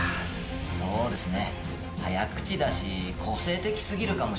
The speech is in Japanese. そうですね。